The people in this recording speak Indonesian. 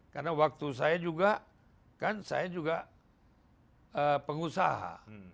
karena waktu saya juga kan saya juga pengusaha